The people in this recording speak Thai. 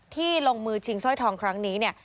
ที่ลงมือชิงช่วยทองครั้งนี้เนี่ย